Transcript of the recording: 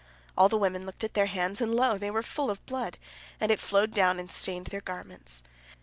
All the women looked at their hands, and, lo, they were full of blood, and it flowed down and stained their garments.